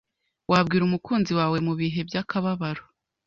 wabwira umukunzi wawe mu bihe by’akababaro